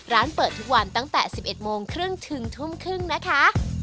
ร้านเปิดทุกวันตั้งแต่๑๑โมงครึ่งถึงทุ่มครึ่งนะคะ